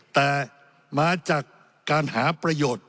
แต่มาจากการหาประโยชน์